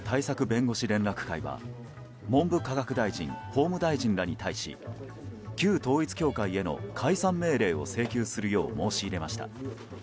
弁護士連絡会は文部科学大臣、法務大臣らに対し旧統一教会への解散命令を請求するよう、申し入れました。